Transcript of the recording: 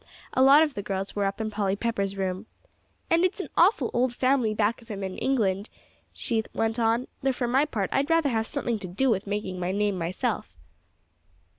A lot of the girls were up in Polly Pepper's room. "And it's an awful old family back of him in England," she went on, "though for my part, I'd rather have something to do with making my name myself."